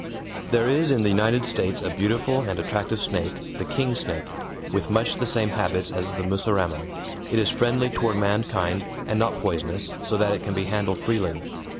There is in the United States a beautiful and attractive snake, the king snake, with much the same habits as the mussurama. It is friendly toward mankind, and not poisonous, so that it can be handled freely.